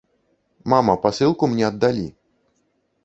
Мама, пасылку мне аддалі.